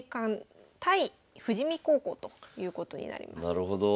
なるほど。